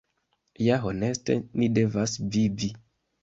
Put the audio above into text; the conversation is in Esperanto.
Ja honeste ni devas vivi.